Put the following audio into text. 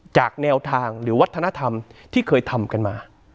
แนวทางหรือวัฒนธรรมที่เคยทำกันมา